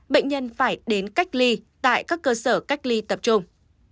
bệnh nhân phải đến cách ly tại các cơ sở cách ly tập trung